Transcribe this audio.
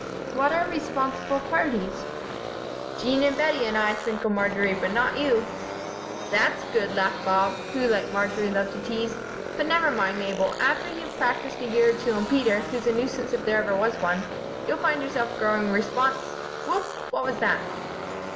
"What are 'responsible parties'?" "Jean and Bettie and I," twinkled Marjory, "but not you." "That's good," laughed Bob, who, like Marjory, loved to tease. "But never mind, Mabel. After you've practised a year or two on Peter, who's a nuisance if there ever was one, you'll find yourself growing respons Whoop! What was that?"